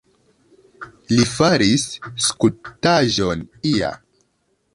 Li faris skulptaĵon ia.